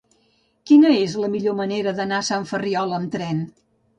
Quina és la millor manera d'anar a Sant Ferriol amb tren?